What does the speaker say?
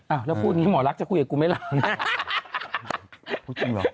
อ้าวแล้วพูดงี้หมอลักจะคุยกับกูไม่ร้อนนะพูดจริงเหรอ